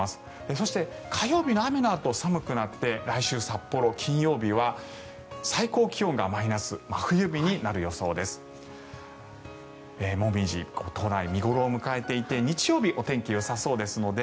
そして、火曜日の雨のあと寒くなって来週、札幌、金曜日は最高気温がマイナス、真冬日になるいよいよ厳しい冬本番。